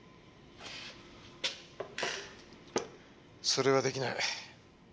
それは出来ない。